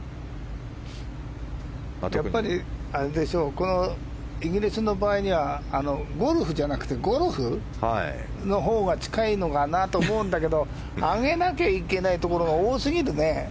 やっぱりイギリスの場合にはゴルフじゃなくてゴロフのほうが近いのかなと思うんだけど上げなきゃいけないところが多すぎるよね。